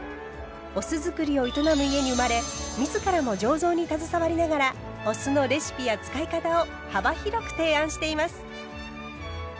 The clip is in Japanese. お酢造りを営む家に生まれ自らも醸造に携わりながらお酢のレシピや使い方を幅広く提案しています。